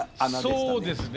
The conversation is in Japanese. そうですね。